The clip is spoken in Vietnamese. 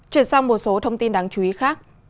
chuyển sang một số thông tin đáng chú ý khác